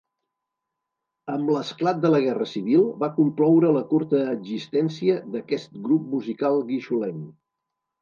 Amb l'esclat de la guerra civil, va concloure la curta existència d'aquest grup musical guixolenc.